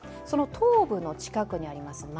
その東部の近くにあります